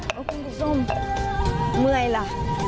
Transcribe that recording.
เอากินกับส้มเมื่อยละ